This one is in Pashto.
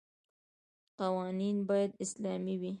قوانین باید اسلامي وي.